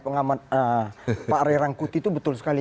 pengamat pak rerangkuti itu betul sekali